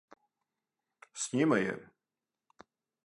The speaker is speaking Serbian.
С њима је?